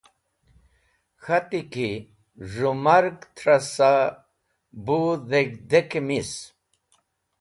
K̃hati ki a z̃hũ marg tra sa bu dheg̃hdek-e mis.